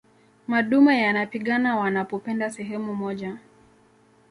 madume yanapigana wanapopenda sehemu moja